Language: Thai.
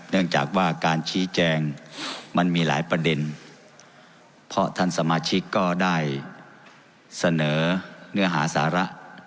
เนื่องจากว่าการชี้แจงมันมีหลายประเด็นเพราะท่านสมาชิกก็ได้เสนอเนื้อหาสาระ